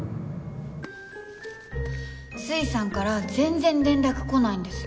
粋さんから全然連絡来ないんです。